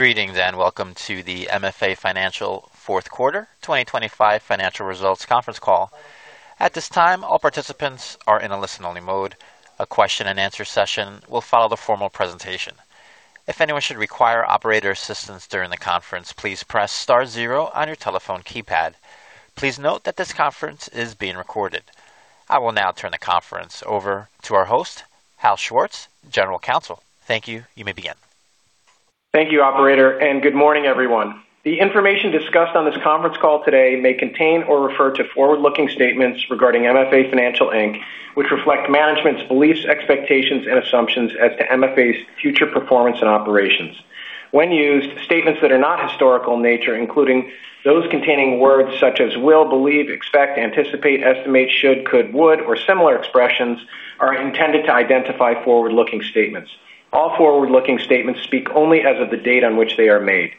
Greetings, and welcome to the MFA Financial fourth quarter 2025 financial results conference call. At this time, all participants are in a listen-only mode. A question and answer session will follow the formal presentation. If anyone should require operator assistance during the conference, please press star zero on your telephone keypad. Please note that this conference is being recorded. I will now turn the conference over to our host, Hal Schwartz, General Counsel. Thank you. You may begin. Thank you, operator, and good morning, everyone. The information discussed on this conference call today may contain or refer to forward-looking statements regarding MFA Financial, Inc., which reflect management's beliefs, expectations, and assumptions as to MFA's future performance and operations. When used, statements that are not historical in nature, including those containing words such as will, believe, expect, anticipate, estimate, should, could, would, or similar expressions, are intended to identify forward-looking statements. All forward-looking statements speak only as of the date on which they are made.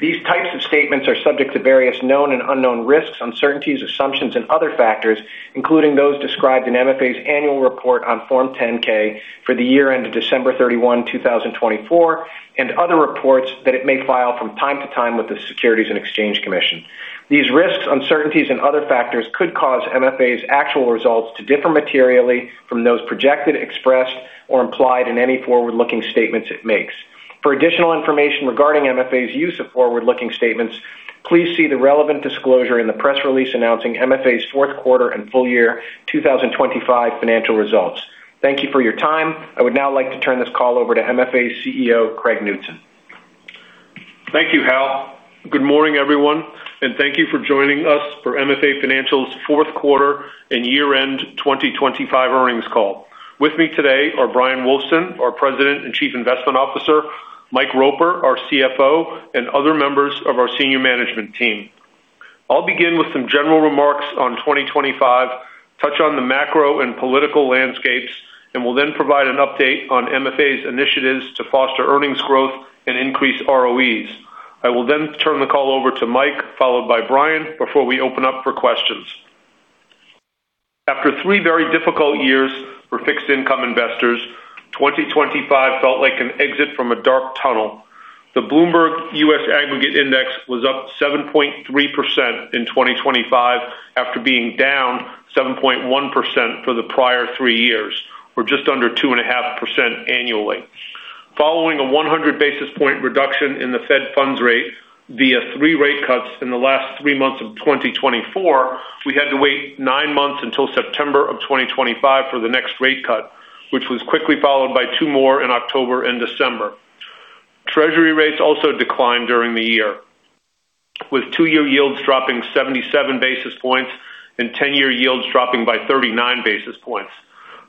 These types of statements are subject to various known and unknown risks, uncertainties, assumptions, and other factors, including those described in MFA's annual report on Form 10-K for the year ended December 31, 2024, and other reports that it may file from time to time with the Securities and Exchange Commission. These risks, uncertainties, and other factors could cause MFA's actual results to differ materially from those projected, expressed, or implied in any forward-looking statements it makes. For additional information regarding MFA's use of forward-looking statements, please see the relevant disclosure in the press release announcing MFA's fourth quarter and full year 2025 financial results. Thank you for your time. I would now like to turn this call over to MFA's CEO, Craig Knutson. Thank you, Hal. Good morning, everyone, and thank you for joining us for MFA Financial's fourth quarter and year-end 2025 earnings call. With me today are Bryan Wulfsohn, our President and Chief Investment Officer, Mike Roper, our CFO, and other members of our senior management team. I'll begin with some general remarks on 2025, touch on the macro and political landscapes, and will then provide an update on MFA's initiatives to foster earnings growth and increase ROEs. I will then turn the call over to Mike, followed by Bryan, before we open up for questions. After three very difficult years for fixed income investors, 2025 felt like an exit from a dark tunnel. The Bloomberg US Aggregate Index was up 7.3% in 2025, after being down 7.1% for the prior 3 years, or just under 2.5% annually. Following a 100 basis point reduction in the Fed Funds Rate via 3 rate cuts in the last 3 months of 2024, we had to wait nine months until September of 2025 for the next rate cut, which was quickly followed by two more in October and December. Treasury rates also declined during the year, with 2-year yields dropping 77 basis points and 10-year yields dropping by 39 basis points.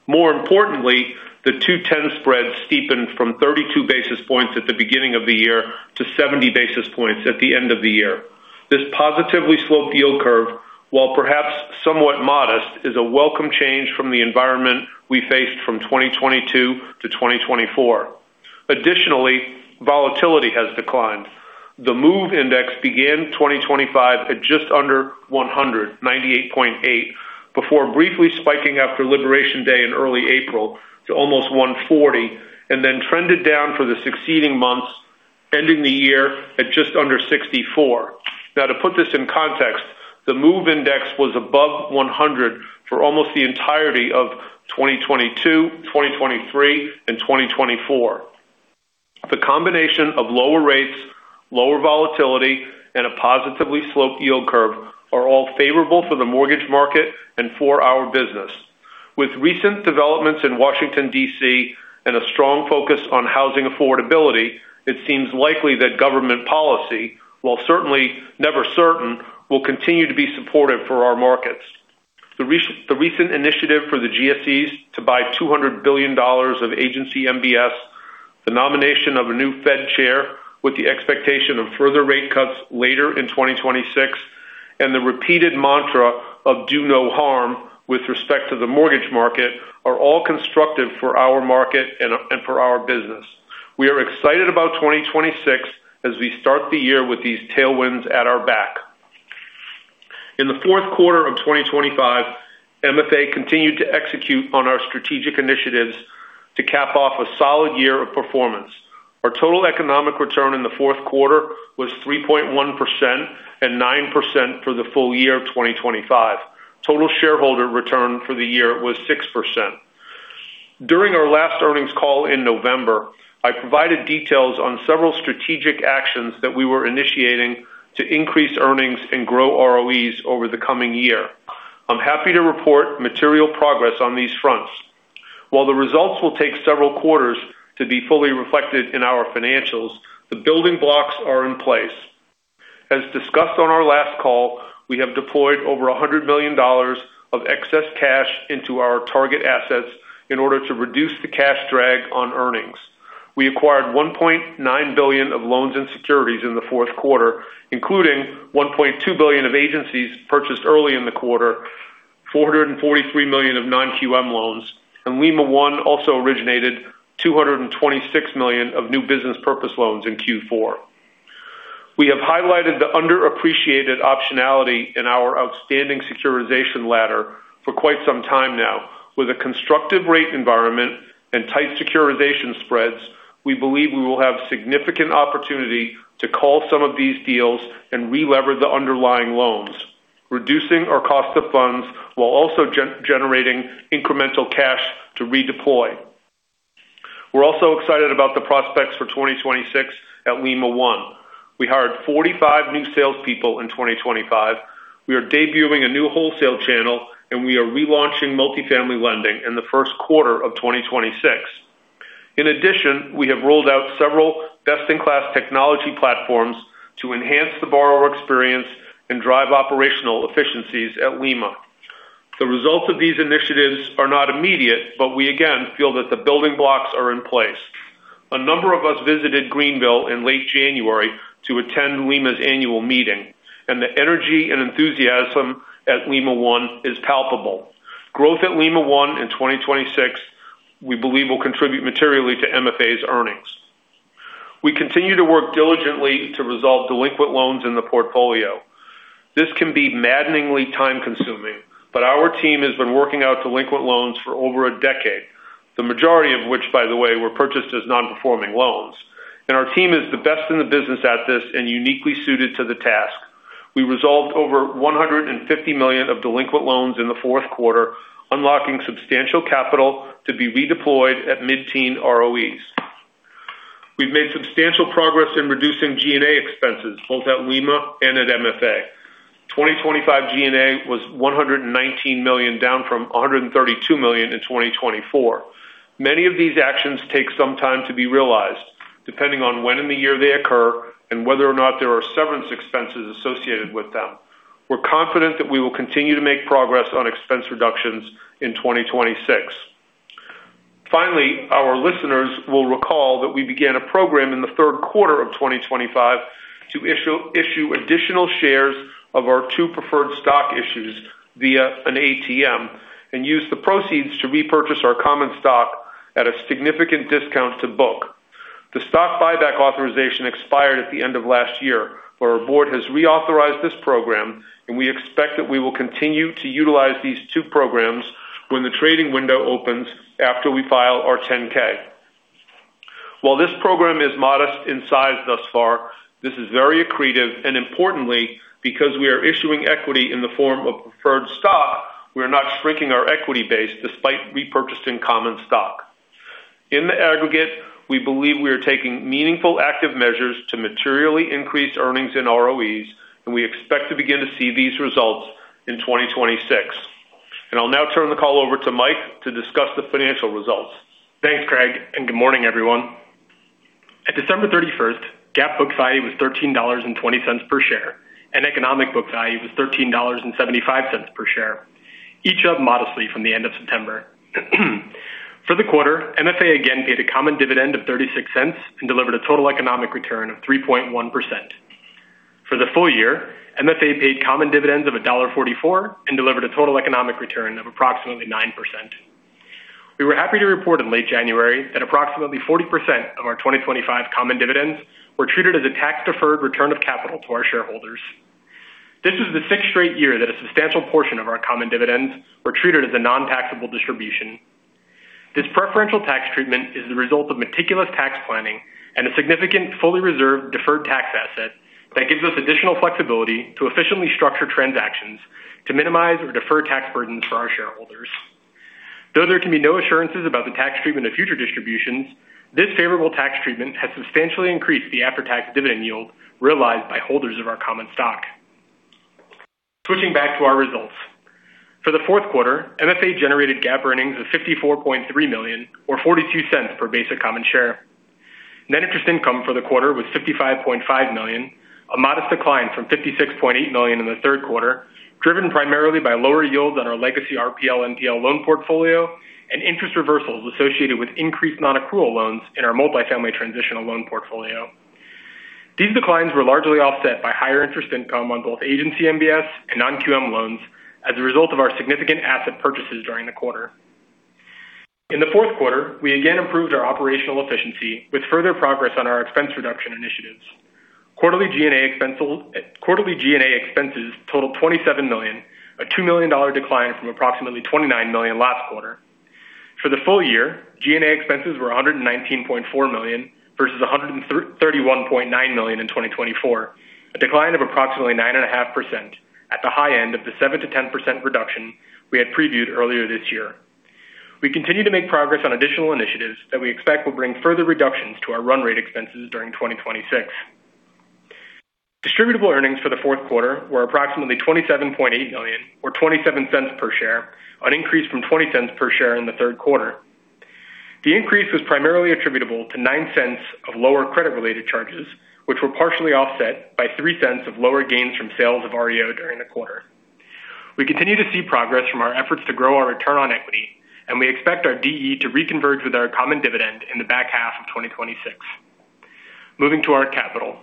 More importantly, the 2-10 spread steepened from 32 basis points at the beginning of the year to 70 basis points at the end of the year. This positively sloped yield curve, while perhaps somewhat modest, is a welcome change from the environment we faced from 2022 to 2024. Additionally, volatility has declined. The MOVE Index began 2025 at just under 198.8, before briefly spiking after Liberation Day in early April to almost 140 and then trended down for the succeeding months, ending the year at just under 64. Now, to put this in context, the MOVE Index was above 100 for almost the entirety of 2022, 2023, and 2024. The combination of lower rates, lower volatility, and a positively sloped yield curve are all favorable for the mortgage market and for our business. With recent developments in Washington, D.C., and a strong focus on housing affordability, it seems likely that government policy, while certainly never certain, will continue to be supportive for our markets. The recent initiative for the GSEs to buy $200 billion of agency MBS, the nomination of a new Fed chair, with the expectation of further rate cuts later in 2026, and the repeated mantra of do no harm with respect to the mortgage market are all constructive for our market and for our business. We are excited about 2026 as we start the year with these tailwinds at our back. In the fourth quarter of 2025, MFA continued to execute on our strategic initiatives to cap off a solid year of performance. Our total economic return in the fourth quarter was 3.1% and 9% for the full year of 2025. Total shareholder return for the year was 6%. During our last earnings call in November, I provided details on several strategic actions that we were initiating to increase earnings and grow ROEs over the coming year. I'm happy to report material progress on these fronts. While the results will take several quarters to be fully reflected in our financials, the building blocks are in place. As discussed on our last call, we have deployed over $100 million of excess cash into our target assets in order to reduce the cash drag on earnings. We acquired $1.9 billion of loans and securities in the fourth quarter, including $1.2 billion of agencies purchased early in the quarter, $443 million of non-QM loans, and Lima One also originated $226 million of new business purpose loans in Q4. We have highlighted the underappreciated optionality in our outstanding securitization ladder for quite some time now. With a constructive rate environment and tight securitization spreads, we believe we will have significant opportunity to call some of these deals and re-lever the underlying loans, reducing our cost of funds while also generating incremental cash to redeploy. We're also excited about the prospects for 2026 at Lima One. We hired 45 new salespeople in 2025. We are debuting a new wholesale channel, and we are relaunching multifamily lending in the first quarter of 2026. In addition, we have rolled out several best-in-class technology platforms to enhance the borrower experience and drive operational efficiencies at Lima. The results of these initiatives are not immediate, but we again feel that the building blocks are in place. A number of us visited Greenville in late January to attend Lima's annual meeting, and the energy and enthusiasm at Lima One is palpable. Growth at Lima One in 2026, we believe, will contribute materially to MFA's earnings. We continue to work diligently to resolve delinquent loans in the portfolio. This can be maddeningly time-consuming, but our team has been working out delinquent loans for over a decade, the majority of which, by the way, were purchased as nonperforming loans. Our team is the best in the business at this and uniquely suited to the task. We resolved over $150 million of delinquent loans in the fourth quarter, unlocking substantial capital to be redeployed at mid-teen ROEs. We've made substantial progress in reducing G&A expenses, both at Lima and at MFA. 2025 G&A was $119 million, down from $132 million in 2024. Many of these actions take some time to be realized, depending on when in the year they occur and whether or not there are severance expenses associated with them. We're confident that we will continue to make progress on expense reductions in 2026. Finally, our listeners will recall that we began a program in the third quarter of 2025 to issue, issue additional shares of our two preferred stock issues via an ATM and use the proceeds to repurchase our common stock at a significant discount to book. The stock buyback authorization expired at the end of last year, but our board has reauthorized this program, and we expect that we will continue to utilize these two programs when the trading window opens after we file our 10-K. While this program is modest in size thus far, this is very accretive, and importantly, because we are issuing equity in the form of preferred stock, we are not shrinking our equity base despite repurchasing common stock. In the aggregate, we believe we are taking meaningful, active measures to materially increase earnings in ROEs, and we expect to begin to see these results in 2026. I'll now turn the call over to Mike to discuss the financial results. Thanks, Craig, and good morning, everyone. At December 31st, GAAP book value was $13.20 per share, and economic book value was $13.75 per share, each up modestly from the end of September. For the quarter, MFA again paid a common dividend of $0.36 and delivered a total economic return of 3.1%. For the full year, MFA paid common dividends of $1.44 and delivered a total economic return of approximately 9%. We were happy to report in late January that approximately 40% of our 2025 common dividends were treated as a tax-deferred return of capital to our shareholders. This is the sixth straight year that a substantial portion of our common dividends were treated as a non-taxable distribution. This preferential tax treatment is the result of meticulous tax planning and a significant fully reserved deferred tax asset that gives us additional flexibility to efficiently structure transactions to minimize or defer tax burdens for our shareholders. Though there can be no assurances about the tax treatment of future distributions, this favorable tax treatment has substantially increased the after-tax dividend yield realized by holders of our common stock. Switching back to our results. For the fourth quarter, MFA generated GAAP earnings of $54.3 million, or $0.42 per basic common share. Net interest income for the quarter was $55.5 million, a modest decline from $56.8 million in the third quarter, driven primarily by lower yields on our legacy RPL and NPL loan portfolio and interest reversals associated with increased nonaccrual loans in our multifamily transitional loan portfolio. These declines were largely offset by higher interest income on both Agency MBS and non-QM loans as a result of our significant asset purchases during the quarter. In the fourth quarter, we again improved our operational efficiency with further progress on our expense reduction initiatives. Quarterly G&A expenses totaled $27 million, a $2 million decline from approximately $29 million last quarter. For the full year, G&A expenses were $119.4 million versus $31.9 million in 2024, a decline of approximately 9.5% at the high end of the 7%-10% reduction we had previewed earlier this year. We continue to make progress on additional initiatives that we expect will bring further reductions to our run rate expenses during 2026. Distributable earnings for the fourth quarter were approximately $27.8 million, or $0.27 per share, an increase from $0.20 per share in the third quarter. The increase was primarily attributable to $0.09 of lower credit-related charges, which were partially offset by $0.03 of lower gains from sales of REO during the quarter. We continue to see progress from our efforts to grow our return on equity, and we expect our DE to reconverge with our common dividend in the back half of 2026. Moving to our capital.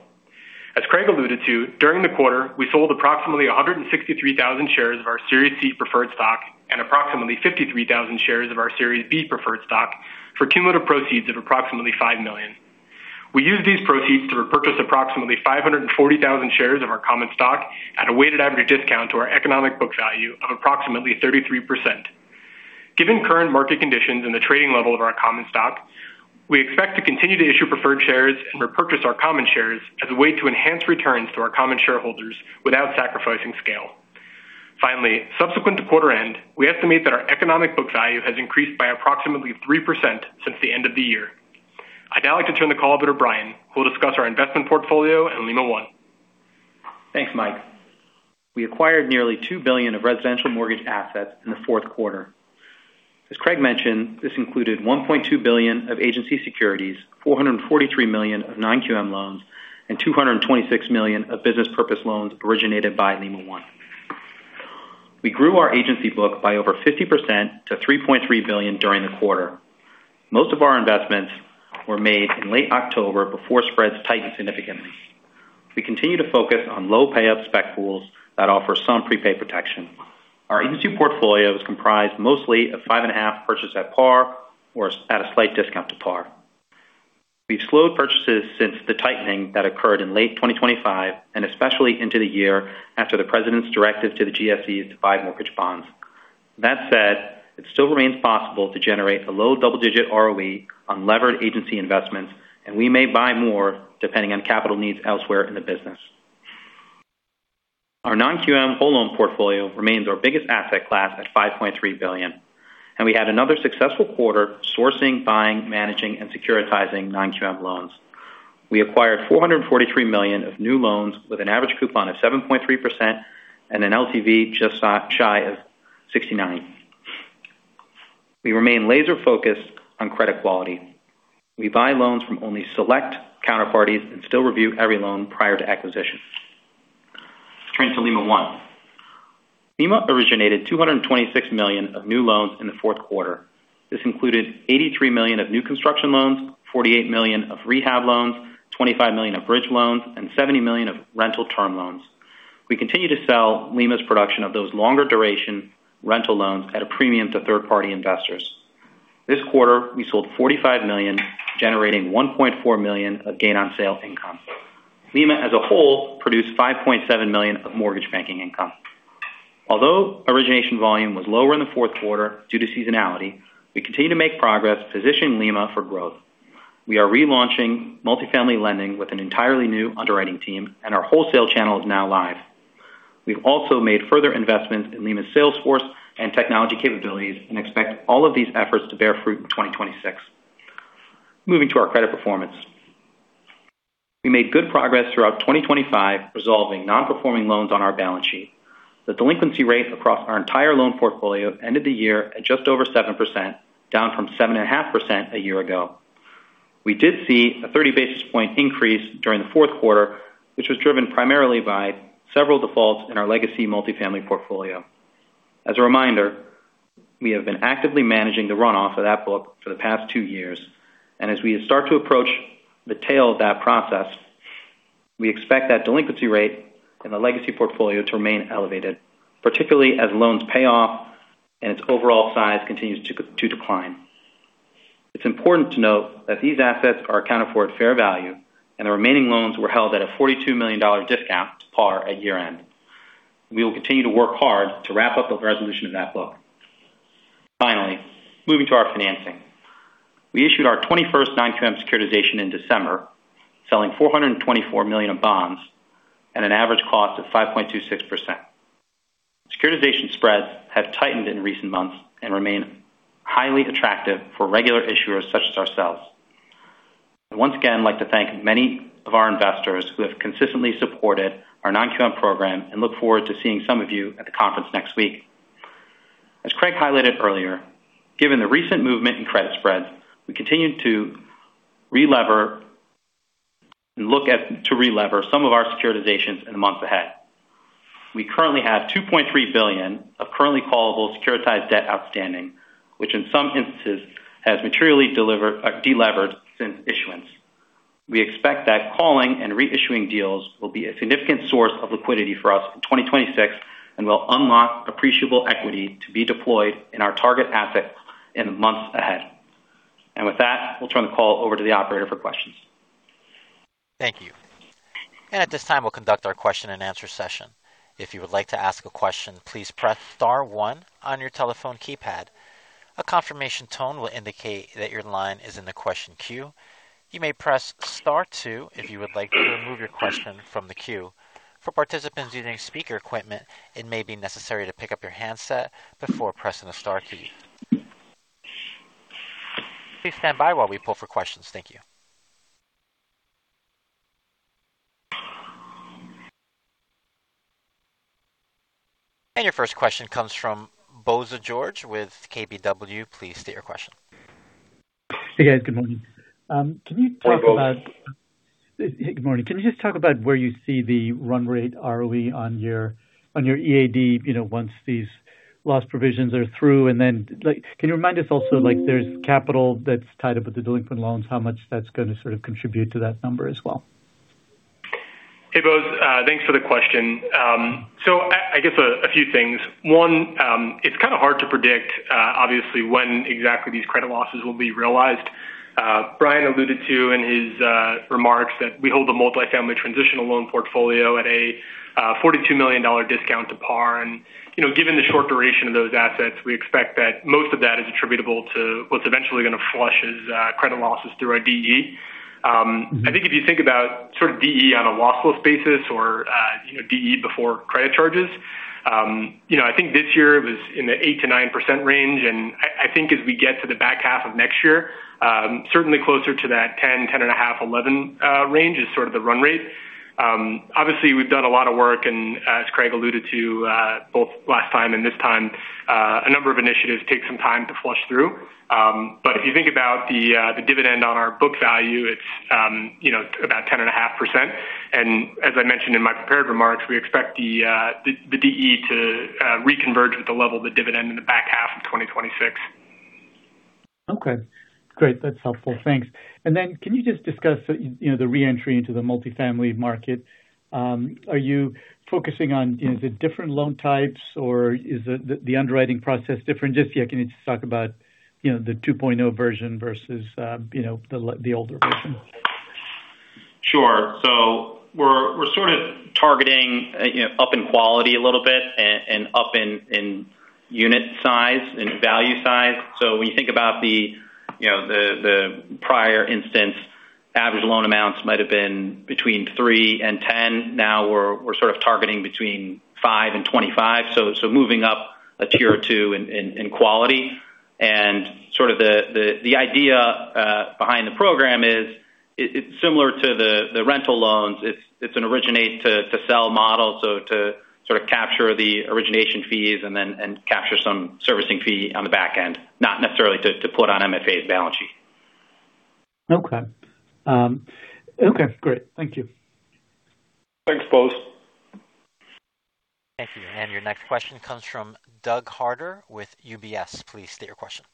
As Craig alluded to, during the quarter, we sold approximately 163,000 shares of our Series C Preferred Stock. ... and approximately 53,000 shares of our Series B Preferred Stock for cumulative proceeds of approximately $5 million. We used these proceeds to repurchase approximately 540,000 shares of our common stock at a weighted average discount to our Economic Book Value of approximately 33%. Given current market conditions and the trading level of our common stock, we expect to continue to issue preferred shares and repurchase our common shares as a way to enhance returns to our common shareholders without sacrificing scale. Finally, subsequent to quarter end, we estimate that our Economic Book Value has increased by approximately 3% since the end of the year. I'd now like to turn the call over to Bryan, who will discuss our investment portfolio and Lima One. Thanks, Mike. We acquired nearly $2 billion of residential mortgage assets in the fourth quarter. As Craig mentioned, this included $1.2 billion of agency securities, $443 million of non-QM loans, and $226 million of business purpose loans originated by Lima One. We grew our agency book by over 50% to $3.3 billion during the quarter. Most of our investments were made in late October before spreads tightened significantly. We continue to focus on low pay-up spec pools that offer some prepaid protection. Our agency portfolio is comprised mostly of 5.5s purchased at par or at a slight discount to par. We've slowed purchases since the tightening that occurred in late 2025, and especially into the year after the President's directive to the GSEs to buy mortgage bonds. That said, it still remains possible to generate a low double-digit ROE on levered agency investments, and we may buy more depending on capital needs elsewhere in the business. Our non-QM whole loan portfolio remains our biggest asset class at $5.3 billion, and we had another successful quarter sourcing, buying, managing, and securitizing non-QM loans. We acquired $443 million of new loans with an average coupon of 7.3% and an LTV just shy of 69%. We remain laser focused on credit quality. We buy loans from only select counterparties and still review every loan prior to acquisition. Let's turn to Lima One. Lima originated $226 million of new loans in the fourth quarter. This included $83 million of new construction loans, $48 million of rehab loans, $25 million of bridge loans, and $70 million of rental term loans. We continue to sell Lima's production of those longer duration rental loans at a premium to third-party investors. This quarter, we sold $45 million, generating $1.4 million of gain on sale income. Lima, as a whole, produced $5.7 million of mortgage banking income. Although origination volume was lower in the fourth quarter due to seasonality, we continue to make progress positioning Lima for growth. We are relaunching multifamily lending with an entirely new underwriting team, and our wholesale channel is now live. We've also made further investments in Lima's sales force and technology capabilities and expect all of these efforts to bear fruit in 2026. Moving to our credit performance. We made good progress throughout 2025, resolving non-performing loans on our balance sheet. The delinquency rate across our entire loan portfolio ended the year at just over 7%, down from 7.5% a year ago. We did see a 30 basis point increase during the fourth quarter, which was driven primarily by several defaults in our legacy multifamily portfolio. As a reminder, we have been actively managing the runoff of that book for the past two years, and as we start to approach the tail of that process, we expect that delinquency rate in the legacy portfolio to remain elevated, particularly as loans pay off and its overall size continues to decline. It's important to note that these assets are accounted for at fair value and the remaining loans were held at a $42 million discount to par at year-end. We will continue to work hard to wrap up the resolution of that book. Finally, moving to our financing. We issued our 21st Non-QM securitization in December, selling $424 million of bonds at an average cost of 5.26%. Securitization spreads have tightened in recent months and remain highly attractive for regular issuers such as ourselves. I once again, like to thank many of our investors who have consistently supported our Non-QM program and look forward to seeing some of you at the conference next week. As Craig highlighted earlier, given the recent movement in credit spreads, we continue to re-lever and look at tore-lever some of our securitizations in the months ahead. We currently have $2.3 billion of currently callable securitized debt outstanding, which in some instances has materially delevered since issuance. We expect that calling and reissuing deals will be a significant source of liquidity for us in 2026, and will unlock appreciable equity to be deployed in our target assets in the months ahead. With that, we'll turn the call over to the operator for questions. Thank you. At this time, we'll conduct our question-and-answer session. If you would like to ask a question, please press star one on your telephone keypad. A confirmation tone will indicate that your line is in the question queue. You may press star two if you would like to remove your question from the queue. For participants using speaker equipment, it may be necessary to pick up your handset before pressing the star key. Please stand by while we pull for questions. Thank you. Your first question comes from Bose George with KBW. Please state your question. Hey, guys. Good morning. Can you talk about- Hi, Bose. Good morning. Can you just talk about where you see the run rate ROE on your EAD, you know, once these loss provisions are through? And then like, can you remind us also, like there's capital that's tied up with the delinquent loans, how much that's going to sort of contribute to that number as well? ...Hey, Bose, thanks for the question. So I guess a few things. One, it's kind of hard to predict, obviously, when exactly these credit losses will be realized. Bryan alluded to in his remarks that we hold a multifamily transitional loan portfolio at a $42 million discount to par. And, you know, given the short duration of those assets, we expect that most of that is attributable to what's eventually gonna flush as credit losses through our DE. I think if you think about sort of DE on a lossless basis or, you know, DE before credit charges, you know, I think this year it was in the 8%-9% range, and I think as we get to the back half of next year, certainly closer to that 10-10.5-11 range is sort of the run rate. Obviously, we've done a lot of work, and as Craig alluded to, both last time and this time, a number of initiatives take some time to flush through. But if you think about the, the dividend on our book value, it's, you know, about 10.5%. As I mentioned in my prepared remarks, we expect the DE to reconverge with the level of the dividend in the back half of 2026. Okay, great. That's helpful. Thanks. And then can you just discuss the, you know, the re-entry into the multifamily market? Are you focusing on, is it different loan types, or is the underwriting process different? Just, yeah, can you just talk about, you know, the 2.0 version versus, you know, the older version? Sure. So we're sort of targeting, you know, up in quality a little bit and up in unit size and value size. So when you think about the, you know, the prior instance, average loan amounts might have been between three and 10. Now we're sort of targeting between five and 25, so moving up a tier or two in quality. And sort of the idea behind the program is, it's similar to the rental loans. It's an originate to sell model, so to sort of capture the origination fees and then capture some servicing fee on the back end, not necessarily to put on MFA's balance sheet. Okay. Okay, great. Thank you. Thanks, Bose. Thank you. And your next question comes from Doug Harter with UBS. Please state your question.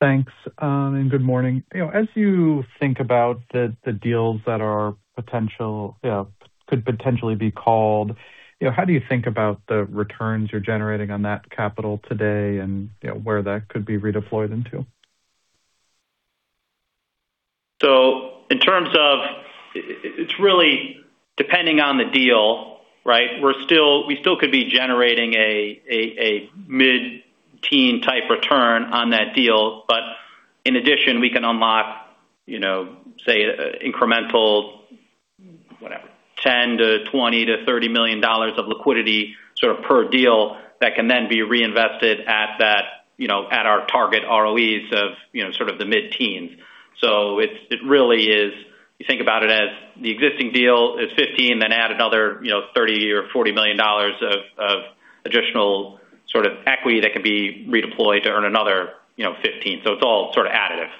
Thanks, and good morning. You know, as you think about the deals that are potential, you know, could potentially be called, you know, how do you think about the returns you're generating on that capital today and, you know, where that could be redeployed into? So in terms of... it's really depending on the deal, right? We still could be generating a mid-teen type return on that deal, but in addition, we can unlock, you know, say, incremental, whatever, $10 million to $20 million to $30 million of liquidity, sort of per deal, that can then be reinvested at that, you know, at our target ROEs of, you know, sort of the mid-teens. So it really is, you think about it as the existing deal is 15, then add another, you know, 30 or 40 million dollars of additional sort of equity that can be redeployed to earn another, you know, 15. So it's all sort of additive.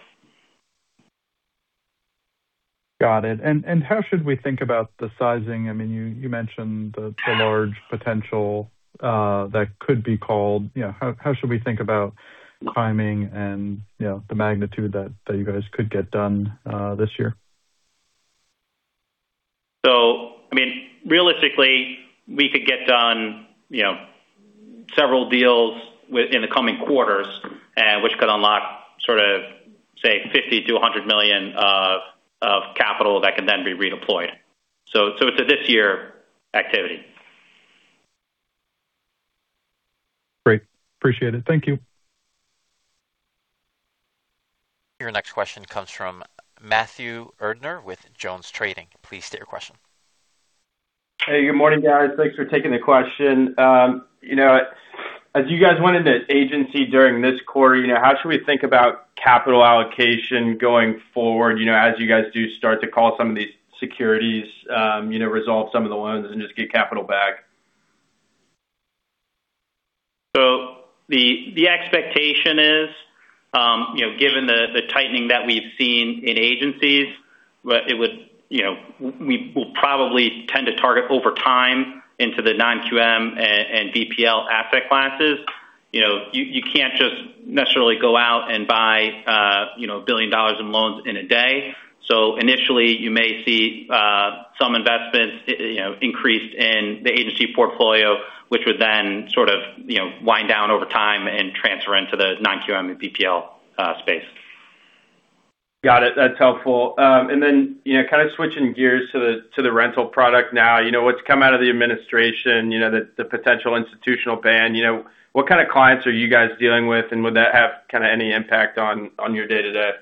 Got it. And how should we think about the sizing? I mean, you mentioned the large potential that could be called. You know, how should we think about timing and, you know, the magnitude that you guys could get done this year? So, I mean, realistically, we could get done, you know, several deals in the coming quarters, which could unlock sort of, say, $50 million-$100 million of capital that can then be redeployed. So, it's a this year activity. Great. Appreciate it. Thank you. Your next question comes from Matthew Erdner with JonesTrading. Please state your question. Hey, good morning, guys. Thanks for taking the question. You know, as you guys went into agency during this quarter, you know, how should we think about capital allocation going forward, you know, as you guys do start to call some of these securities, you know, resolve some of the loans and just get capital back? So the expectation is, you know, given the tightening that we've seen in agencies, but it would... You know, we will probably tend to target over time into the non-QM and BPL asset classes. You know, you can't just necessarily go out and buy, you know, $1 billion in loans in a day. So initially, you may see some investments, you know, increased in the agency portfolio, which would then sort of, you know, wind down over time and transfer into the non-QM and BPL space. Got it. That's helpful. And then, you know, kind of switching gears to the rental product now. You know, what's come out of the administration, you know, the potential institutional ban, you know. What kind of clients are you guys dealing with, and would that have kind of any impact on your day-to-day?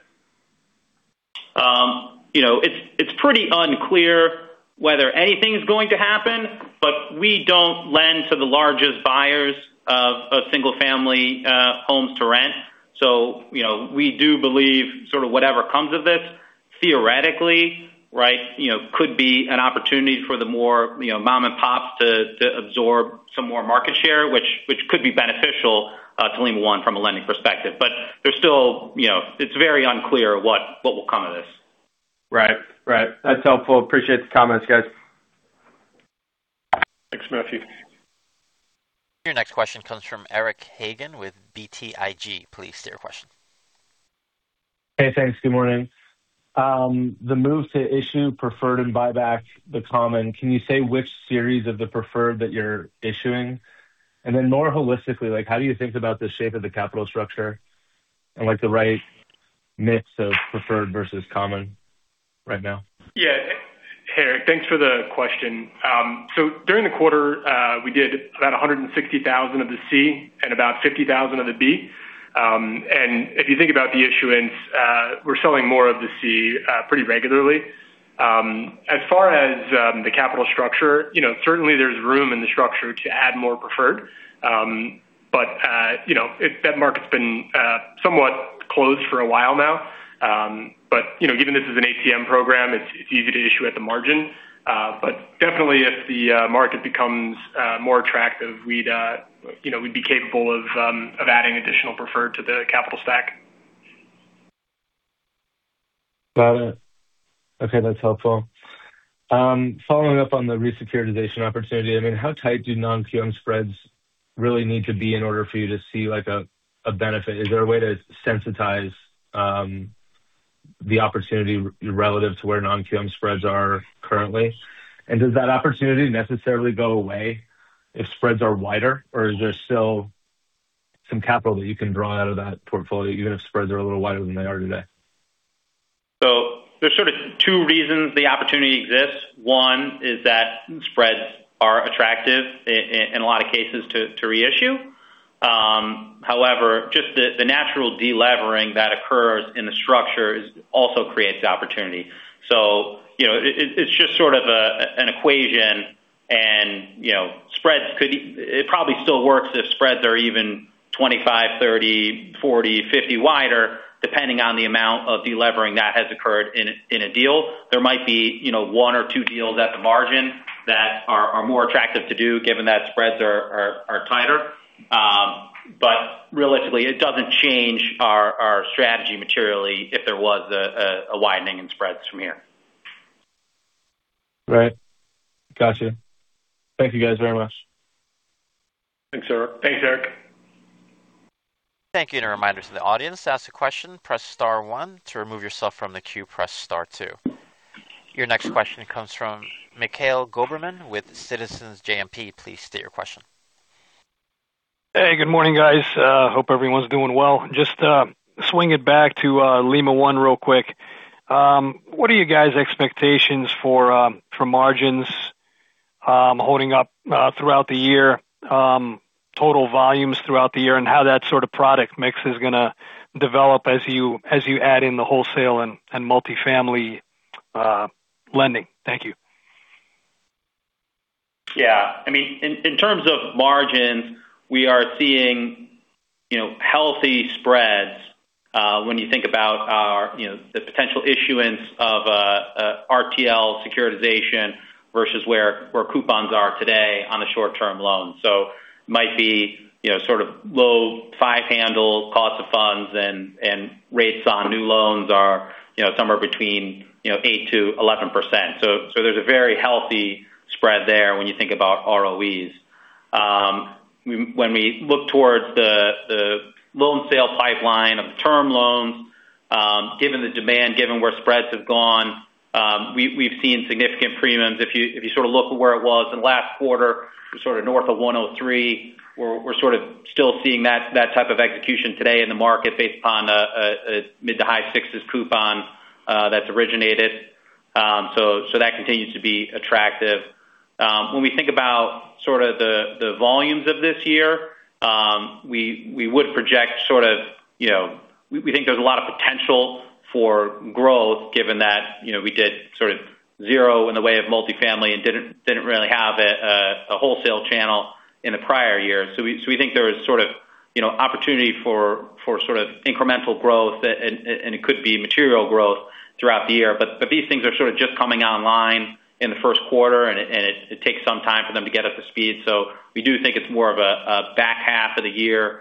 You know, it's pretty unclear whether anything is going to happen, but we don't lend to the largest buyers of single family homes to rent. So, you know, we do believe sort of whatever comes of this, theoretically, right, you know, could be an opportunity for the more, you know, mom and pops to absorb some more market share, which could be beneficial to Lima One from a lending perspective. But there's still, you know... It's very unclear what will come of this. Right. Right. That's helpful. Appreciate the comments, guys.... Your next question comes from Eric Hagen with BTIG. Please state your question. Hey, thanks. Good morning. The move to issue preferred and buyback the common, can you say which series of the preferred that you're issuing? And then more holistically, like, how do you think about the shape of the capital structure and like the right mix of preferred versus common right now? Yeah. Hey, Eric, thanks for the question. So during the quarter, we did about 160,000 of the C and about 50,000 of the B. And if you think about the issuance, we're selling more of the C pretty regularly. As far as the capital structure, you know, certainly there's room in the structure to add more preferred. But, you know, that market's been somewhat closed for a while now. But, you know, given this is an ATM program, it's easy to issue at the margin. But definitely if the market becomes more attractive, we'd, you know, we'd be capable of adding additional preferred to the capital stack. Got it. Okay, that's helpful. Following up on the re-securitization opportunity, I mean, how tight do non-QM spreads really need to be in order for you to see, like, a benefit? Is there a way to sensitize the opportunity relative to where non-QM spreads are currently? And does that opportunity necessarily go away if spreads are wider, or is there still some capital that you can draw out of that portfolio, even if spreads are a little wider than they are today? So there's sort of two reasons the opportunity exists. One is that spreads are attractive in a lot of cases to reissue. However, just the natural delevering that occurs in the structure also creates the opportunity. So, you know, it's just sort of an equation and, you know, spreads could, it probably still works if spreads are even 25, 30, 40, 50 wider, depending on the amount of delevering that has occurred in a deal. There might be, you know, one or two deals at the margin that are more attractive to do, given that spreads are tighter. But realistically, it doesn't change our strategy materially if there was a widening in spreads from here. Right. Gotcha. Thank you, guys, very much. Thanks, Eric. Thank you. A reminder to the audience, to ask a question, press star one, to remove yourself from the queue, press star two. Your next question comes from Mikhail Goberman with Citizens JMP. Please state your question. Hey, good morning, guys. Hope everyone's doing well. Just swing it back to Lima One real quick. What are you guys' expectations for margins holding up throughout the year, total volumes throughout the year, and how that sort of product mix is gonna develop as you add in the wholesale and multifamily lending? Thank you. Yeah. I mean, in terms of margins, we are seeing, you know, healthy spreads when you think about our, you know, the potential issuance of a RTL securitization versus where coupons are today on the short-term loan. So might be, you know, sort of low five handle cost of funds and rates on new loans are, you know, somewhere between, you know, 8%-11%. So there's a very healthy spread there when you think about ROEs. When we look towards the loan sale pipeline of the term loans, given the demand, given where spreads have gone, we've seen significant premiums. If you sort of look at where it was in the last quarter, sort of north of 103, we're sort of still seeing that type of execution today in the market based upon a mid- to high-sixes coupon that's originated. So that continues to be attractive. When we think about sort of the volumes of this year, we would project sort of, you know, we think there's a lot of potential for growth, given that, you know, we did sort of 0 in the way of multifamily and didn't really have a wholesale channel in the prior year. So we think there is sort of, you know, opportunity for sort of incremental growth and it could be material growth throughout the year. But these things are sort of just coming online in the first quarter, and it takes some time for them to get up to speed. So we do think it's more of a back half of the year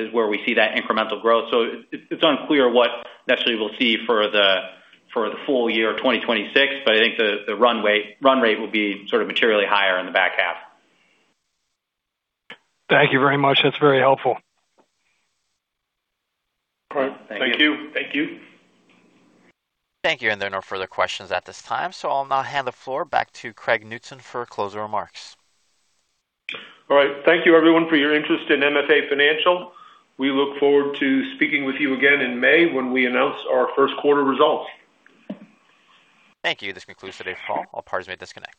is where we see that incremental growth. So it's unclear what necessarily we'll see for the full year 2026, but I think the runway run rate will be sort of materially higher in the back half. Thank you very much. That's very helpful. All right. Thank you. Thank you. Thank you, and there are no further questions at this time, so I'll now hand the floor back to Craig Knutson for closing remarks. All right. Thank you everyone for your interest in MFA Financial. We look forward to speaking with you again in May when we announce our first quarter results. Thank you. This concludes today's call. All parties may disconnect.